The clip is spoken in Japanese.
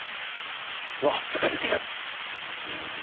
忘れるか！